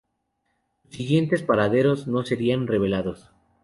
Sus siguientes paraderos no serían revelados.